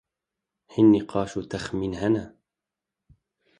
hin nîqaş û texmîn hene.